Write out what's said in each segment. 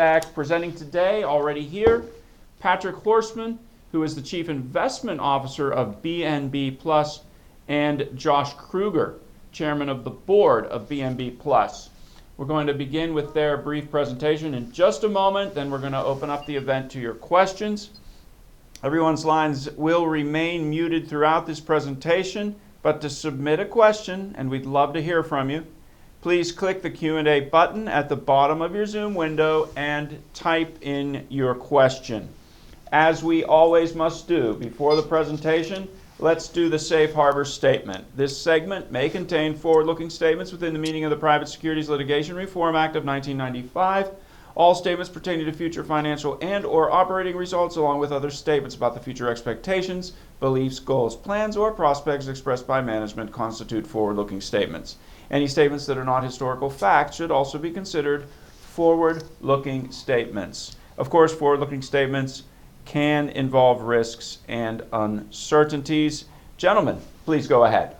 Back presenting today, already here, Patrick Horsman, who is the Chief Investment Officer of BNB Plus, and Joshua Kruger, Chairman of the Board of BNB Plus. We're going to begin with their brief presentation in just a moment, then we're going to open up the event to your questions. Everyone's lines will remain muted throughout this presentation, but to submit a question, and we'd love to hear from you, please click the Q&A button at the bottom of your Zoom window and type in your question. As we always must do before the presentation, let's do the safe harbor statement. This segment may contain forward-looking statements within the meaning of the Private Securities Litigation Reform Act of 1995. All statements pertaining to future financial and/or operating results, along with other statements about the future expectations, beliefs, goals, plans, or prospects expressed by management, constitute forward-looking statements. Any statements that are not historical facts should also be considered forward-looking statements. Of course, forward-looking statements can involve risks and uncertainties. Gentlemen, please go ahead.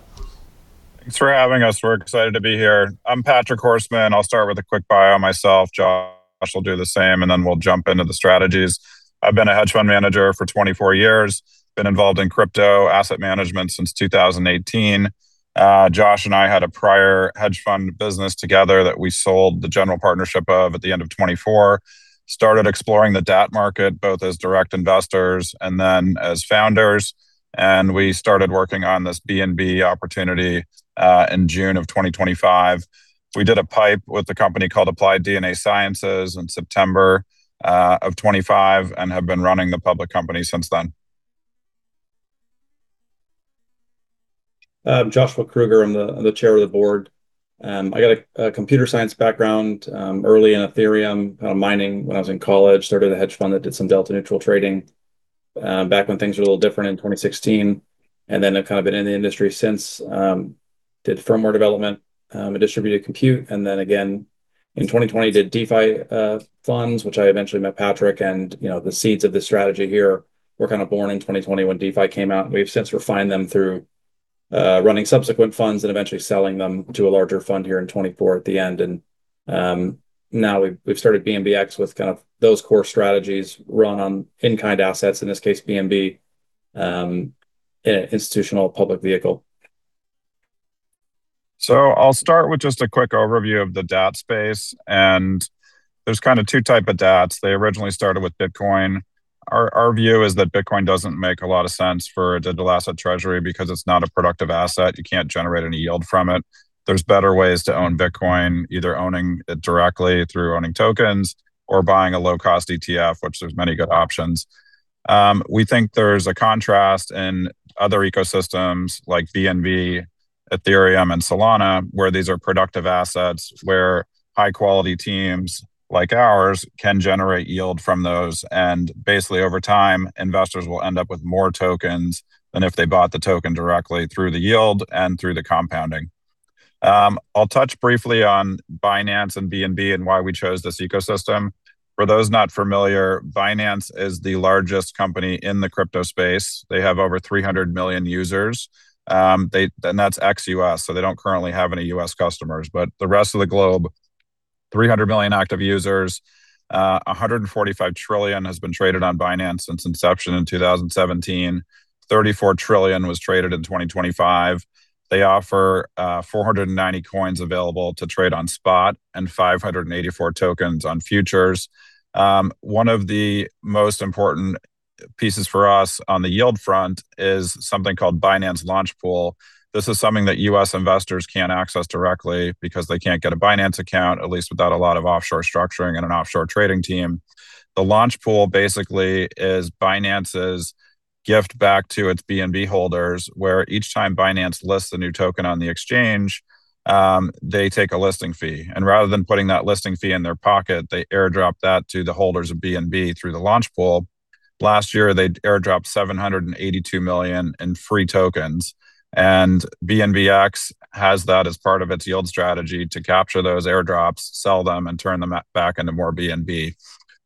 Thanks for having us. We're excited to be here. I'm Patrick Horsman. I'll start with a quick bio on myself. Josh will do the same, and then we'll jump into the strategies. I've been a hedge fund manager for 24 years. Been involved in crypto asset management since 2018. Josh and I had a prior hedge fund business together that we sold the general partnership of at the end of 2024. Started exploring the DAT market, both as direct investors and then as founders, and we started working on this BNB opportunity in June of 2025. We did a PIPE with a company called Applied DNA Sciences in September of 2025, and have been running the public company since then. Joshua Kruger. I'm the chair of the board. I got a computer science background, early in Ethereum, kind of mining when I was in college. Started a hedge fund that did some delta neutral trading, back when things were a little different in 2016, and then I've kind of been in the industry since. Did firmware development, and distributed compute, and then again, in 2020 did DeFi funds, which I eventually met Patrick and, you know, the seeds of this strategy here were kind of born in 2020 when DeFi came out. We've since refined them through running subsequent funds and eventually selling them to a larger fund here in 2024 at the end, and now we've started BNBX with kind of those core strategies run on in-kind assets, in this case, BNB, in an institutional public vehicle. So I'll start with just a quick overview of the DAT space, and there's kind of two type of DATS. They originally started with Bitcoin. Our view is that Bitcoin doesn't make a lot of sense for a digital asset treasury because it's not a productive asset. You can't generate any yield from it. There's better ways to own Bitcoin, either owning it directly through owning tokens or buying a low-cost ETF, which there's many good options. We think there's a contrast in other ecosystems like BNB, Ethereum, and Solana, where these are productive assets, where high-quality teams, like ours, can generate yield from those, and basically, over time, investors will end up with more tokens than if they bought the token directly through the yield and through the compounding. I'll touch briefly on Binance and BNB and why we chose this ecosystem. For those not familiar, Binance is the largest company in the crypto space. They have over 300 million users. And that's ex-U.S., so they don't currently have any U.S. customers. But the rest of the globe, 300 million active users. $145 trillion has been traded on Binance since inception in 2017. $34 trillion was traded in 2025. They offer 490 coins available to trade on spot and 584 tokens on futures. One of the most important pieces for us on the yield front is something called Binance Launchpool. This is something that U.S. investors can't access directly because they can't get a Binance account, at least without a lot of offshore structuring and an offshore trading team. The Launchpool basically is Binance's gift back to its BNB holders, where each time Binance lists a new token on the exchange, they take a listing fee, and rather than putting that listing fee in their pocket, they airdrop that to the holders of BNB through the Launchpool. Last year, they airdropped 782 million in free tokens, and BNBX has that as part of its yield strategy to capture those airdrops, sell them, and turn them back into more BNB.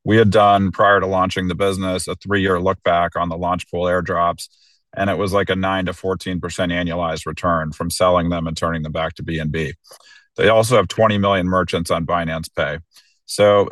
We had done, prior to launching the business, a three-year look-back on the Launchpool airdrops, and it was like a 9%-14% annualized return from selling them and turning them back to BNB. They also have 20 million merchants on Binance Pay.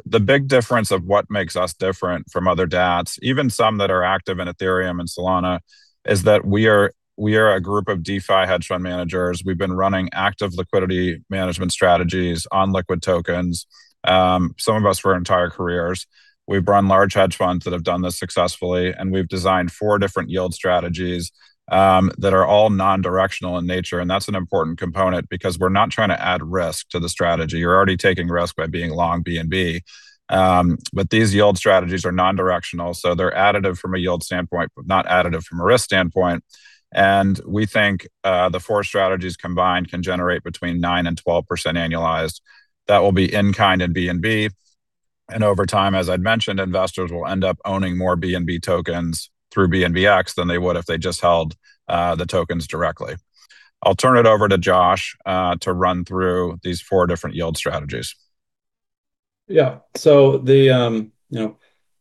The big difference of what makes us different from other DATS, even some that are active in Ethereum and Solana, is that we are, we are a group of DeFi hedge fund managers. We've been running active liquidity management strategies on liquid tokens, some of us for our entire careers. We've run large hedge funds that have done this successfully, and we've designed four different yield strategies, that are all non-directional in nature, and that's an important component because we're not trying to add risk to the strategy. You're already taking risk by being long BNB. But these yield strategies are non-directional, so they're additive from a yield standpoint, but not additive from a risk standpoint. We think, the four strategies combined can generate between 9% and 12% annualized. That will be in-kind in BNB, and over time, as I'd mentioned, investors will end up owning more BNB tokens through BNBX than they would if they just held, the tokens directly. I'll turn it over to Josh, to run through these four different yield strategies. Yeah. So the, you know,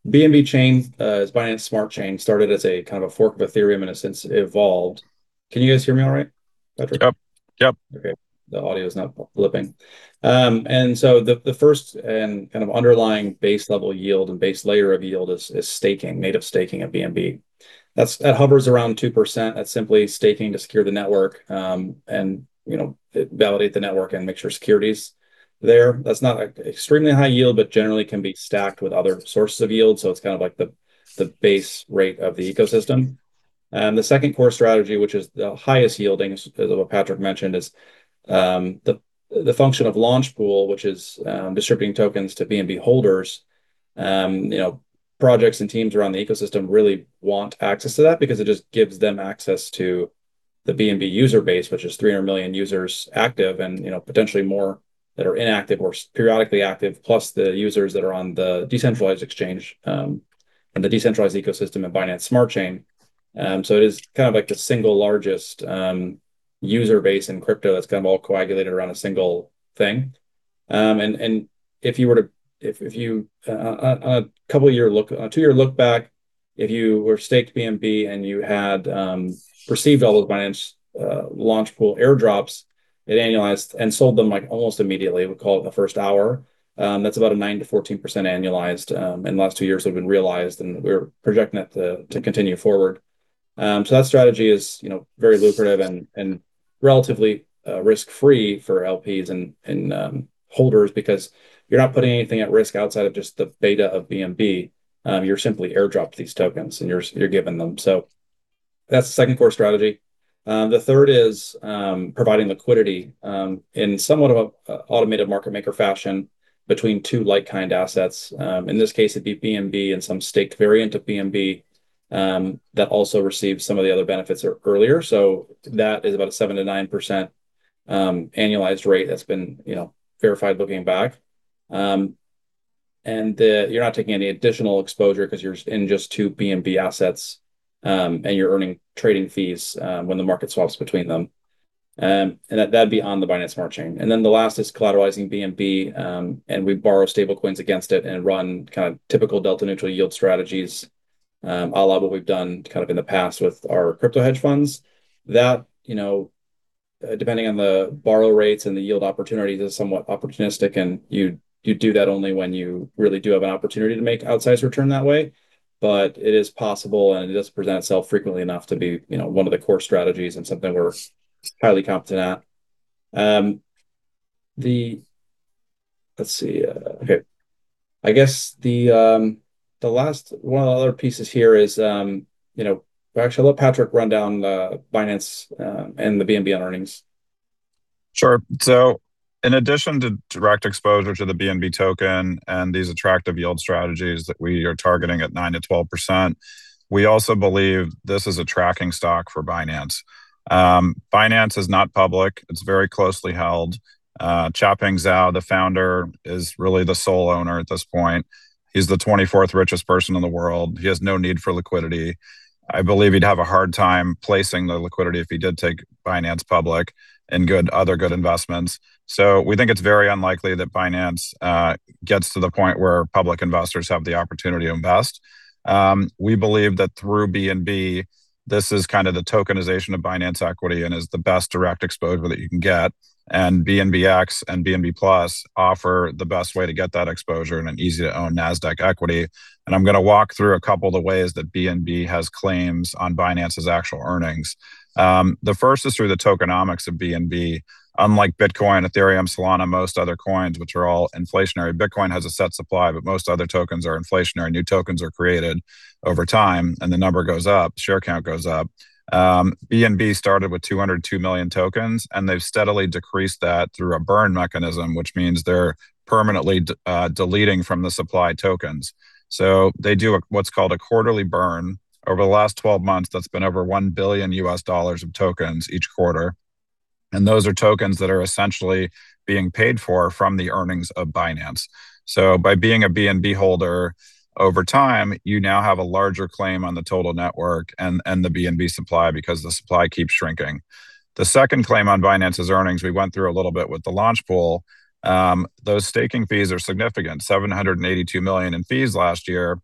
BNB Chain is Binance Smart Chain, started as a kind of a fork of Ethereum, and it since evolved. Can you guys hear me all right? Yep, yep. Okay, the audio is now flipping. And so the first and kind of underlying base level yield and base layer of yield is staking, native staking of BNB. That's. That hovers around 2%. That's simply staking to secure the network, and, you know, validate the network and make sure security's there. That's not an extremely high yield, but generally can be stacked with other sources of yield, so it's kind of like the base rate of the ecosystem. And the second core strategy, which is the highest yielding, as Patrick mentioned, is the function of Launchpool, which is distributing tokens to BNB holders. You know, projects and teams around the ecosystem really want access to that because it just gives them access to the BNB user base, which is 300 million users active and, you know, potentially more that are inactive or periodically active, plus the users that are on the decentralized exchange, and the decentralized ecosystem of Binance Smart Chain. So it is kind of like the single largest user base in crypto that's kind of all coagulated around a single thing. And if you were to take a two-year look back, if you were staked BNB and you had received all those Binance Launchpool airdrops, it annualized and sold them, like, almost immediately, we call it the first hour. That's about a 9%-14% annualized in the last two years have been realized, and we're projecting it to continue forward. So that strategy is, you know, very lucrative and risk-free for LPs and holders because you're not putting anything at risk outside of just the beta of BNB. You're simply airdropped these tokens, and you're given them. So that's the second core strategy. The third is providing liquidity in somewhat of an automated market maker fashion between two like-kind assets. In this case, it'd be BNB and some staked variant of BNB that also received some of the other benefits earlier. So that is about a 7%-9% annualized rate that's been, you know, verified looking back. You're not taking any additional exposure because you're in just two BNB assets, and you're earning trading fees when the market swaps between them. That'd be on the Binance Smart Chain. Then the last is collateralizing BNB, and we borrow stablecoins against it and run kind of typical delta-neutral yield strategies, à la what we've done kind of in the past with our crypto hedge funds. That, you know, depending on the borrow rates and the yield opportunities, is somewhat opportunistic, and you, you do that only when you really do have an opportunity to make outsized return that way. But it is possible, and it does present itself frequently enough to be, you know, one of the core strategies and something we're highly competent at. I guess the last one of the other pieces here is, you know, actually, I'll let Patrick run down the Binance and the BNB on earnings. Sure. So in addition to direct exposure to the BNB token and these attractive yield strategies that we are targeting at 9%-12%, we also believe this is a tracking stock for Binance. Binance is not public. It's very closely held. Changpeng Zhao, the founder, is really the sole owner at this point. He's the 24th richest person in the world. He has no need for liquidity. I believe he'd have a hard time placing the liquidity if he did take Binance public and other good investments. So we think it's very unlikely that Binance gets to the point where public investors have the opportunity to invest. We believe that through BNB, this is kind of the tokenization of Binance equity and is the best direct exposure that you can get, and BNBX and BNB+ offer the best way to get that exposure in an easy-to-own Nasdaq equity. I'm gonna walk through a couple of the ways that BNB has claims on Binance's actual earnings. The first is through the tokenomics of BNB. Unlike Bitcoin, Ethereum, Solana, most other coins, which are all inflationary, Bitcoin has a set supply, but most other tokens are inflationary. New tokens are created over time, and the number goes up, share count goes up. BNB started with 202 million tokens, and they've steadily decreased that through a burn mechanism, which means they're permanently deleting from the supply tokens. So they do what's called a quarterly burn. Over the last 12 months, that's been over $1 billion of tokens each quarter, and those are tokens that are essentially being paid for from the earnings of Binance. So by being a BNB holder, over time, you now have a larger claim on the total network and the BNB supply because the supply keeps shrinking. The second claim on Binance's earnings, we went through a little bit with the Launchpool. Those staking fees are significant, $782 million in fees last year.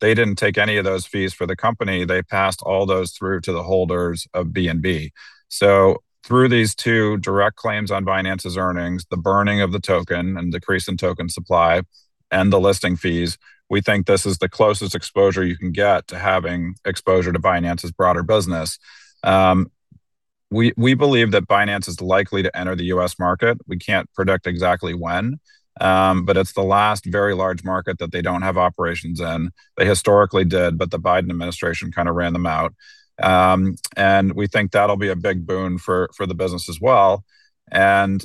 They didn't take any of those fees for the company. They passed all those through to the holders of BNB. So through these two direct claims on Binance's earnings, the burning of the token and decrease in token supply and the listing fees, we think this is the closest exposure you can get to having exposure to Binance's broader business. We believe that Binance is likely to enter the U.S. market. We can't predict exactly when, but it's the last very large market that they don't have operations in. They historically did, but the Biden administration kind of ran them out. We think that'll be a big boon for the business as well.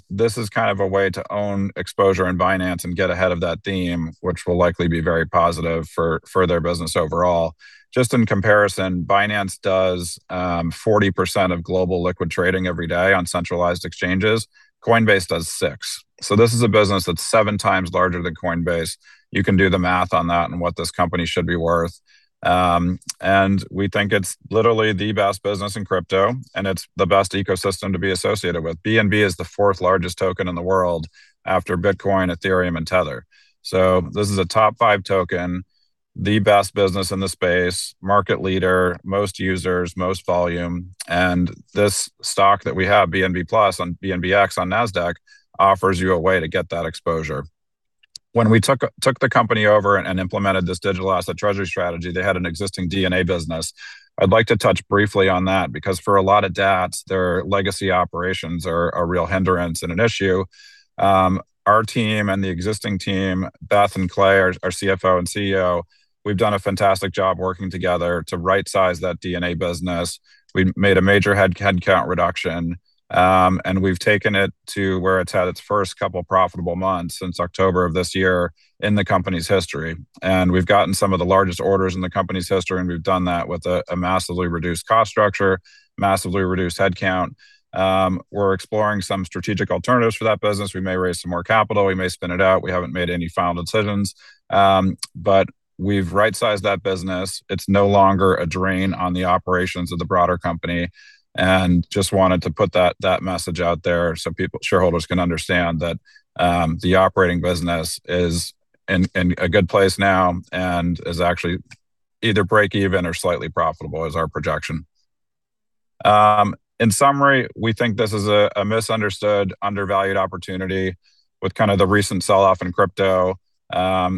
This is kind of a way to own exposure in Binance and get ahead of that theme, which will likely be very positive for their business overall. Just in comparison, Binance does 40% of global liquid trading every day on centralized exchanges. Coinbase does 6%. So this is a business that's seven times larger than Coinbase. You can do the math on that and what this company should be worth. We think it's literally the best business in crypto, and it's the best ecosystem to be associated with. BNB is the fourth largest token in the world after Bitcoin, Ethereum, and Tether. So this is a top five token. The best business in the space, market leader, most users, most volume, and this stock that we have, BNB Plus on BNBX on Nasdaq, offers you a way to get that exposure. When we took the company over and implemented this digital asset treasury strategy, they had an existing DNA business. I'd like to touch briefly on that, because for a lot of DATs, their legacy operations are a real hindrance and an issue. Our team and the existing team, Beth and Clay, our CFO and CEO, we've done a fantastic job working together to rightsize that DNA business. We've made a major headcount reduction, and we've taken it to where it's had its first couple profitable months since October of this year in the company's history. And we've gotten some of the largest orders in the company's history, and we've done that with a massively reduced cost structure, massively reduced headcount. We're exploring some strategic alternatives for that business. We may raise some more capital. We may spin it out. We haven't made any final decisions, but we've rightsized that business. It's no longer a drain on the operations of the broader company, and just wanted to put that message out there so people, shareholders can understand that, the operating business is in a good place now and is actually either break even or slightly profitable, is our projection. In summary, we think this is a misunderstood, undervalued opportunity with kind of the recent sell-off in crypto.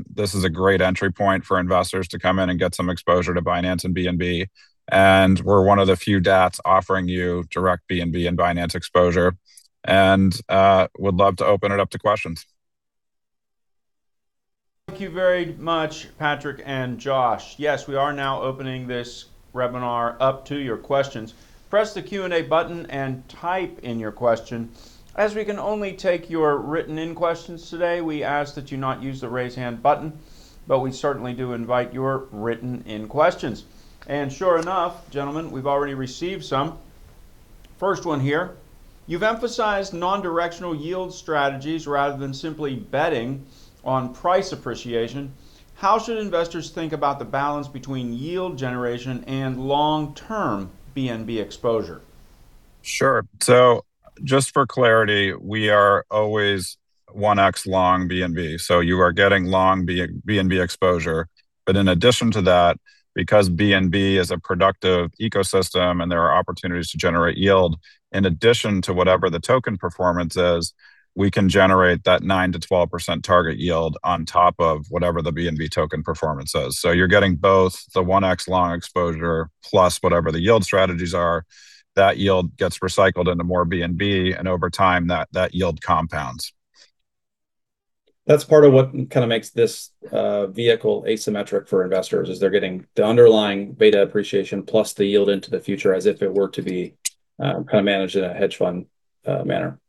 This is a great entry point for investors to come in and get some exposure to Binance and BNB, and we're one of the few DATS offering you direct BNB and Binance exposure, and would love to open it up to questions. Thank you very much, Patrick and Josh. Yes, we are now opening this webinar up to your questions. Press the Q&A button and type in your question. As we can only take your written-in questions today, we ask that you not use the Raise Hand button, but we certainly do invite your written-in questions. Sure enough, gentlemen, we've already received some. First one here: "You've emphasized non-directional yield strategies rather than simply betting on price appreciation. How should investors think about the balance between yield generation and long-term BNB exposure? Sure. So just for clarity, we are always 1X long BNB, so you are getting long BNB exposure. But in addition to that, because BNB is a productive ecosystem and there are opportunities to generate yield, in addition to whatever the token performance is, we can generate that 9%-12% target yield on top of whatever the BNB token performance is. So you're getting both the 1X long exposure, plus whatever the yield strategies are. That yield gets recycled into more BNB, and over time, that yield compounds. That's part of what kind of makes this vehicle asymmetric for investors, is they're getting the underlying beta appreciation, plus the yield into the future as if it were to be kind of managed in a hedge fund manner.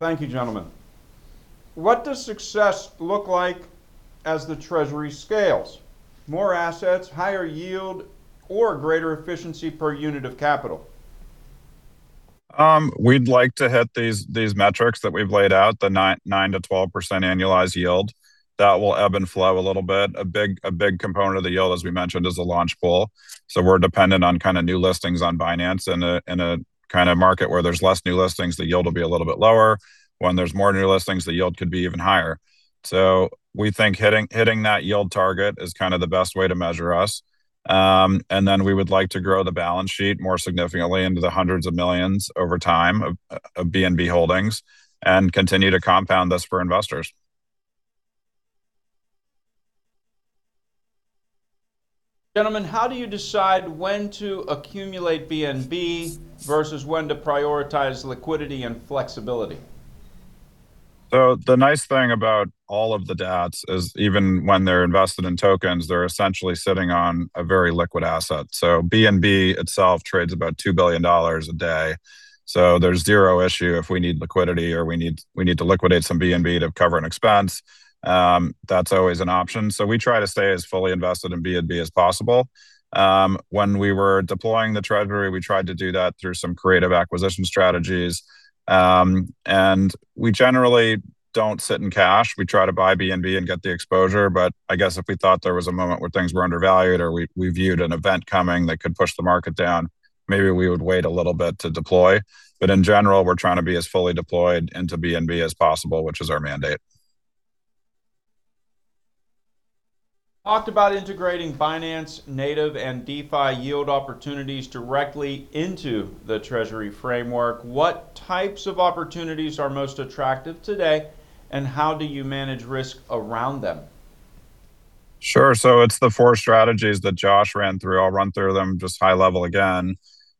Thank you, gentlemen. What does success look like as the treasury scales? More assets, higher yield or greater efficiency per unit of capital? We'd like to hit these metrics that we've laid out, the 9%-12% annualized yield. That will ebb and flow a little bit. A big component of the yield, as we mentioned, is the Launchpool. So we're dependent on kind of new listings on Binance. In a kind of market where there's less new listings, the yield will be a little bit lower. When there's more new listings, the yield could be even higher. So we think hitting that yield target is kind of the best way to measure us. And then we would like to grow the balance sheet more significantly into the hundreds of millions over time of BNB holdings, and continue to compound this for investors. Gentlemen, how do you decide when to accumulate BNB versus when to prioritize liquidity and flexibility? The nice thing about all of the DATS is, even when they're invested in tokens, they're essentially sitting on a very liquid asset. So BNB itself trades about $2 billion a day, so there's zero issue if we need liquidity or we need to liquidate some BNB to cover an expense. That's always an option. So we try to stay as fully invested in BNB as possible. When we were deploying the treasury, we tried to do that through some creative acquisition strategies. And we generally don't sit in cash. We try to buy BNB and get the exposure, but I guess if we thought there was a moment where things were undervalued or we viewed an event coming that could push the market down, maybe we would wait a little bit to deploy. But in general, we're trying to be as fully deployed into BNB as possible, which is our mandate. Talked about integrating Binance Native and DeFi yield opportunities directly into the treasury framework. What types of opportunities are most attractive today, and how do you manage risk around them? Sure. So it's the four strategies that Josh ran through. I'll run through them, just high level again.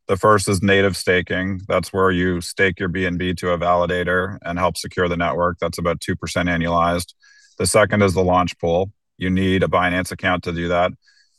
The first is native staking. That's where you stake your BNB to a validator and help secure the network. That's about 2% annualized. The second is the launch pool. You need a Binance account to do that.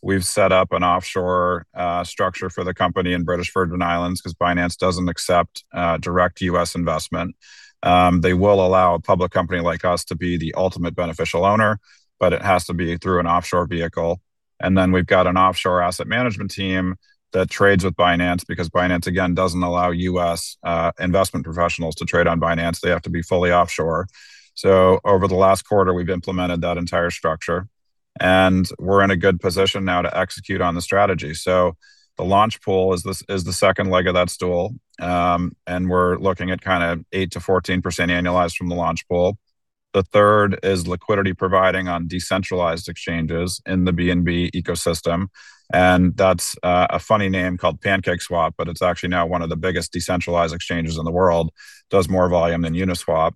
We've set up an offshore structure for the company in British Virgin Islands, because Binance doesn't accept direct U.S. investment. They will allow a public company like us to be the ultimate beneficial owner, but it has to be through an offshore vehicle. And then we've got an offshore asset management team that trades with Binance, because Binance, again, doesn't allow U.S. investment professionals to trade on Binance. They have to be fully offshore. So over the last quarter, we've implemented that entire structure. We're in a good position now to execute on the strategy. The launch pool is the second leg of that stool, and we're looking at kind of 8%-14% annualized from the launch pool. The third is liquidity providing on decentralized exchanges in the BNB ecosystem, and that's a funny name called PancakeSwap, but it's actually now one of the biggest decentralized exchanges in the world. Does more volume than Uniswap,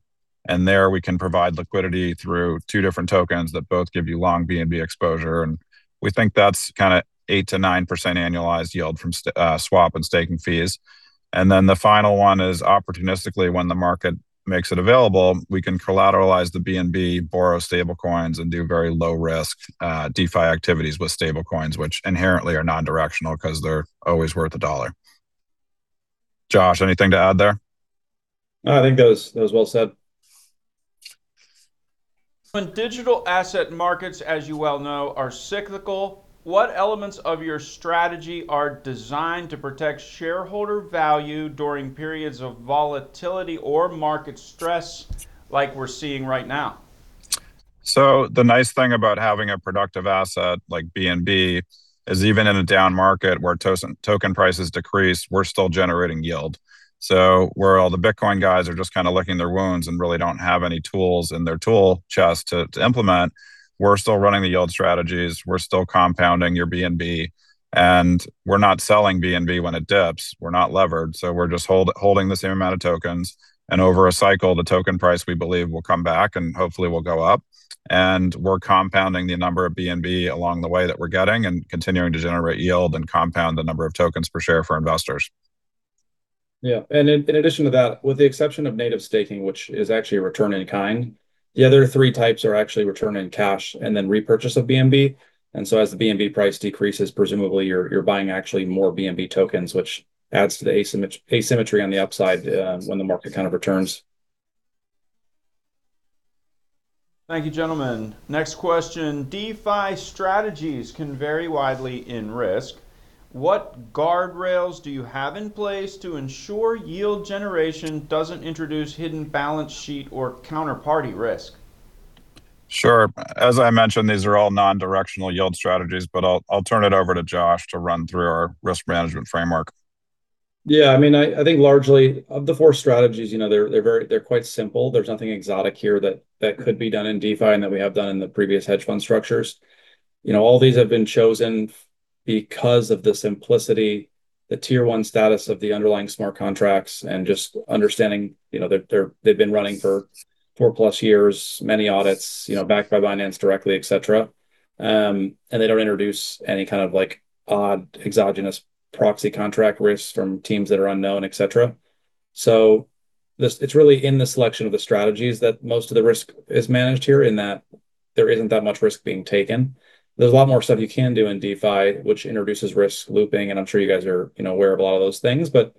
and there we can provide liquidity through two different tokens that both give you long BNB exposure, and we think that's kinda 8%-9% annualized yield from swap and staking fees. And then the final one is opportunistically, when the market makes it available, we can collateralize the BNB, borrow stablecoins, and do very low risk, DeFi activities with stablecoins, which inherently are non-directional 'cause they're always worth a dollar. Josh, anything to add there? I think that was, that was well said. When digital asset markets, as you well know, are cyclical, what elements of your strategy are designed to protect shareholder value during periods of volatility or market stress like we're seeing right now? So the nice thing about having a productive asset like BNB is even in a down market where token prices decrease, we're still generating yield. So where all the Bitcoin guys are just kinda licking their wounds and really don't have any tools in their tool chest to implement, we're still running the yield strategies, we're still compounding your BNB, and we're not selling BNB when it dips. We're not levered, so we're just holding the same amount of tokens, and over a cycle, the token price, we believe, will come back and hopefully will go up. And we're compounding the number of BNB along the way that we're getting and continuing to generate yield and compound the number of tokens per share for investors. Yeah, in addition to that, with the exception of native staking, which is actually a return in kind, the other three types are actually return in cash and then repurchase of BNB. And so as the BNB price decreases, presumably, you're buying actually more BNB tokens, which adds to the asymmetry on the upside, when the market kind of returns. Thank you, gentlemen. Next question: DeFi strategies can vary widely in risk. What guardrails do you have in place to ensure yield generation doesn't introduce hidden balance sheet or counterparty risk? Sure. As I mentioned, these are all non-directional yield strategies, but I'll turn it over to Josh to run through our risk management framework. Yeah, I mean, I think largely, of the four strategies, you know, they're very... They're quite simple. There's nothing exotic here that could be done in DeFi and that we have done in the previous hedge fund structures. You know, all these have been chosen because of the simplicity, the tier one status of the underlying smart contracts, and just understanding, you know, they've been running for 4+ years, many audits, you know, backed by Binance directly, et cetera. And they don't introduce any kind of, like, odd exogenous proxy contract risks from teams that are unknown, et cetera. So, it's really in the selection of the strategies that most of the risk is managed here, in that there isn't that much risk being taken. There's a lot more stuff you can do in DeFi, which introduces risk looping, and I'm sure you guys are, you know, aware of a lot of those things. But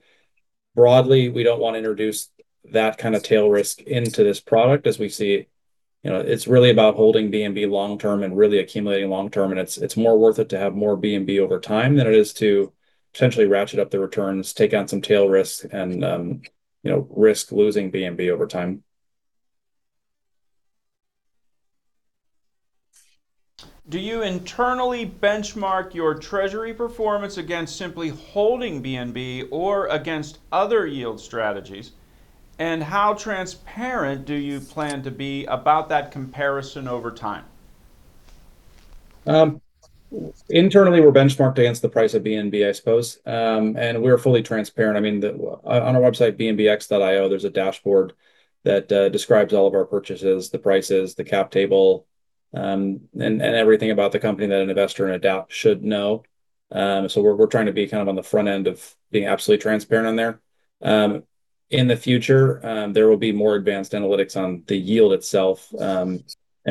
broadly, we don't wanna introduce that kind of tail risk into this product, as we see. You know, it's really about holding BNB long-term and really accumulating long-term, and it's, it's more worth it to have more BNB over time than it is to potentially ratchet up the returns, take on some tail risk, and, you know, risk losing BNB over time. Do you internally benchmark your treasury performance against simply holding BNB or against other yield strategies? And how transparent do you plan to be about that comparison over time? Internally, we're benchmarked against the price of BNB, I suppose. We're fully transparent. I mean, the, on our website, bnbx.io, there's a dashboard that, describes all of our purchases, the prices, the cap table, and, and everything about the company that an investor and a DAP should know. We're, we're trying to be kind of on the front end of being absolutely transparent on there. In the future, there will be more advanced analytics on the yield itself, and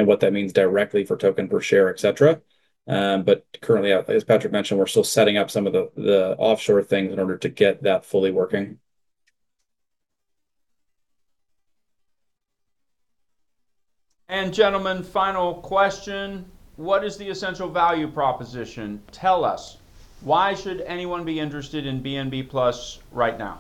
what that means directly for token per share, et cetera. Currently, as Patrick mentioned, we're still setting up some of the, the offshore things in order to get that fully working. Gentlemen, final question: What is the essential value proposition? Tell us, why should anyone be interested in BNB Plus right now?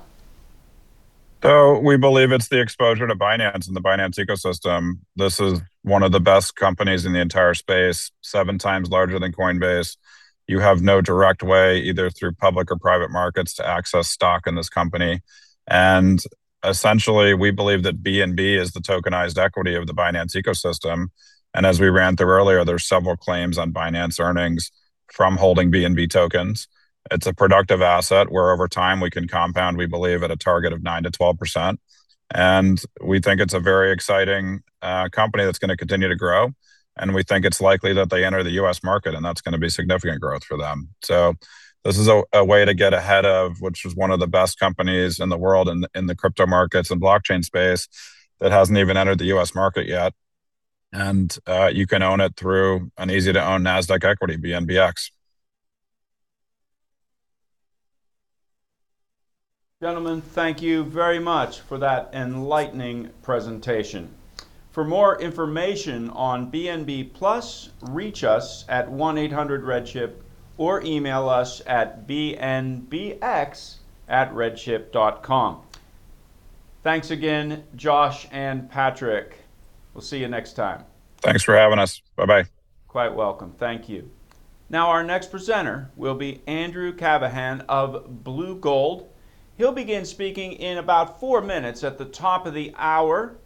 So we believe it's the exposure to Binance and the Binance ecosystem. This is one of the best companies in the entire space, seven times larger than Coinbase. You have no direct way, either through public or private markets, to access stock in this company. And essentially, we believe that BNB is the tokenized equity of the Binance ecosystem, and as we ran through earlier, there's several claims on Binance earnings from holding BNB tokens. It's a productive asset, where over time, we can compound, we believe, at a target of 9%-12%. And we think it's a very exciting company that's gonna continue to grow, and we think it's likely that they enter the US market, and that's gonna be significant growth for them. This is a way to get ahead of which is one of the best companies in the world, in the crypto markets and blockchain space, that hasn't even entered the U.S. market yet. You can own it through an easy-to-own Nasdaq equity, BNBX. Gentlemen, thank you very much for that enlightening presentation. For more information on BNB Plus, reach us at 1-800-RedChip, or email us at bnbx@redchip.com. Thanks again, Josh and Patrick. We'll see you next time. Thanks for having us. Bye-bye. Quite welcome. Thank you. Now, our next presenter will be Andrew Cavaghan of Blue Gold. He'll begin speaking in about four minutes at the top of the hour.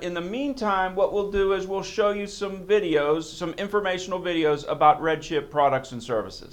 In the meantime, what we'll do is we'll show you some videos, some informational videos about RedChip products and services.